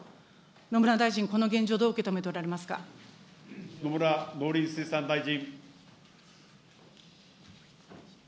野村大臣、この現状をどう受け止野村農林水産大臣。